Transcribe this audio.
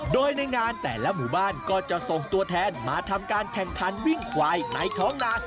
โดยในงานแต่ละหมู่บ้านก็จะส่งตัวแทนมาทำการแข่งขันวิ่งควายในท้องนา